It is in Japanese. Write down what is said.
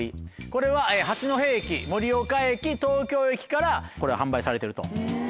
これは八戸駅盛岡駅東京駅から販売されてるということですね。